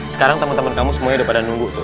sekarang teman teman kamu semuanya udah pada nunggu tuh